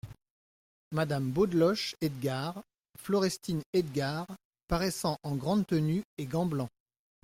Madame Beaudeloche, Edgard, Florestine Edgard , paraissant en grande tenue et gants blancs.